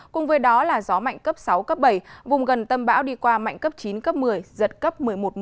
cùng với đó là gió mạnh cấp sáu cấp bảy vùng gần tâm bão đi qua mạnh cấp chín cấp một mươi giật cấp một mươi một một mươi